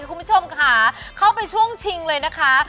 คุณผู้ชมค่ะเข้าไปช่วงชิงเลยนะคะ